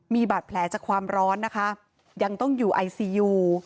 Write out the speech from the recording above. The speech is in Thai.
มีบาดแผลจากความร้อนนะคะยังต้องอยู่ไอซียู